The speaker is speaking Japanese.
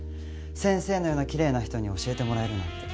先生のような奇麗な人に教えてもらえるなんて。